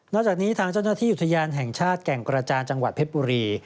จากนี้ทางเจ้าหน้าที่อุทยานแห่งชาติแก่งกระจานจังหวัดเพชรบุรี